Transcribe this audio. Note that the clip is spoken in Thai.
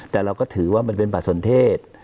แต่เราก็ถือว่ามันเป็นบัตรสนเทศ